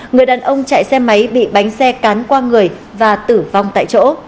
người đàn ông chạy xe máy bị bánh xe cán qua người và tử vong tại chỗ